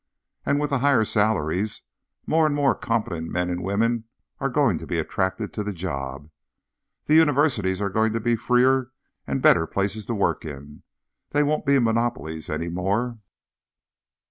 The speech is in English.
And, with the higher salaries, more and more competent men and women are going to be attracted to the job. The universities are going to be freer and better places to work in; they won't be monopolies any more.